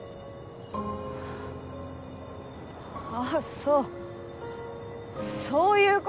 ああそうそういう事。